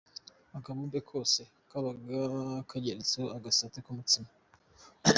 Akabumbe kose kabaga kageretseho agasate k’umutsima.